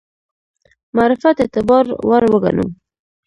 معرفت اعتبار وړ وګڼو.